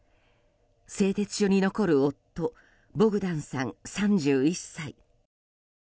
製鉄所に残る夫ボグダンさん、３１歳。